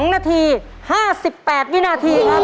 ๒นาที๕๘วินาทีครับ